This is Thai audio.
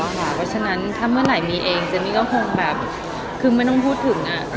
เพราะฉะนั้นถ้าเมื่อไหร่มีเองเจนนี่ก็คงแบบคือไม่ต้องพูดถึง